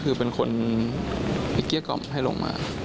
คือเป็นคนไปเกลี้ยกล่อมให้ลงมา